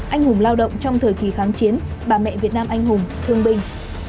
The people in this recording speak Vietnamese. anh hùng lao động trong thời kỳ kháng chiến bà mẹ việt nam anh hùng thương binh